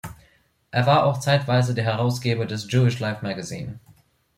Er war auch zeitweise der Herausgeber des "Jewish Life Magazine".